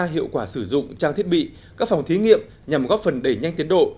hiệu quả sử dụng trang thiết bị các phòng thí nghiệm nhằm góp phần đẩy nhanh tiến độ